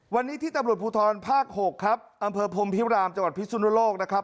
วันนี้ที่ตำรวจภูทรภาค๖ครับอำเภอพรมพิรามจังหวัดพิสุนโลกนะครับ